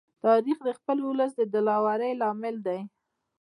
تاریخ د خپل ولس د دلاوري لامل دی.